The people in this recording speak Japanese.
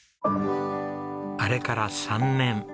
あれから３年。